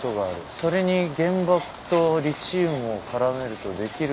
それに原爆とリチウムを絡めるとできるのは水素爆弾。